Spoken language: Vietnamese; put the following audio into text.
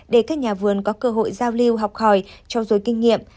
để các nhà vườn có cơ hội giao lưu học hỏi trau dối kinh nghiệm